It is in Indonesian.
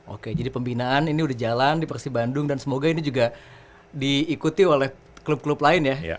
oke jadi pembinaan ini udah jalan di persib bandung dan semoga ini juga diikuti oleh klub klub lain ya